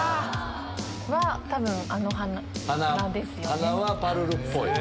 多分あの鼻ですよね。